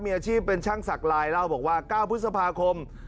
มีอาชีพเป็นช่างสักลายเล่าบอกว่า๙พฤษภาคม